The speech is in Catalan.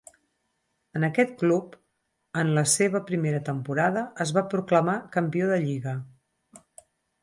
En aquest club, en la seva primera temporada, es va proclamar campió de Lliga.